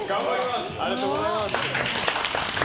ありがとうございます。